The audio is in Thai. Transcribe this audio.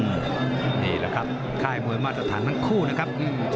อืมนี่ละครับค่ายมวยมาสถานทั้งคู่นะครับ